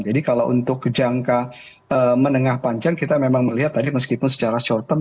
jadi kalau untuk jangka menengah panjang kita memang melihat tadi meskipun secara short term